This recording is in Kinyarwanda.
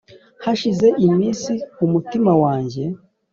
hashize iminsi umutima wanjye